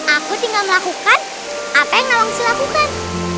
aku tinggal melakukan apa yang nawang su lakukan